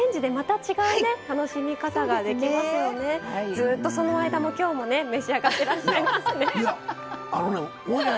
ずっとその間も今日もね召し上がっていらっしゃいますね。